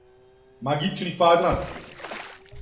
магични квадрат